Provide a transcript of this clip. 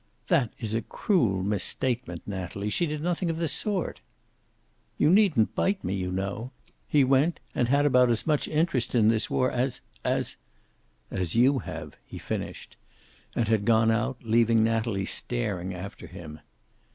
"That is a cruel misstatement, Natalie. She did nothing of the sort." "You needn't bite me, you know. He went, and had about as much interest in this war as as " "As you have," he finished. And had gone out, leaving Natalie staring after him.